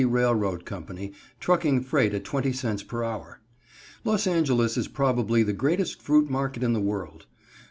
Railroad Company, trucking freight at 20 cents per hour. Los Angeles is probably the greatest fruit market in the world.